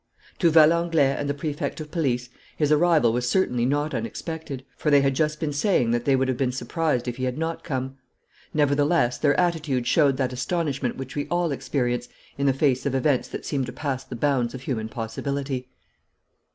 To Valenglay and the Prefect of Police his arrival was certainly not unexpected, for they had just been saying that they would have been surprised if he had not come. Nevertheless, their attitude showed that astonishment which we all experience in the face of events that seem to pass the bounds of human possibility.